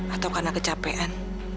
atau karena kecapean